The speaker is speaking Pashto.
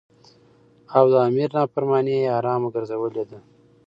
او د امیر نافرمانی یی حرامه ګرځولی ده.